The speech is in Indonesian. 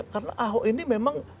karena ahok ini memang